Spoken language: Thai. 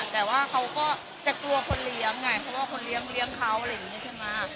แต่ว่าเขาก็จะกลัวคนเลี้ยงไงเพราะว่าคนเลี้ยงเขาอะไรอย่างนี้ใช่ไหม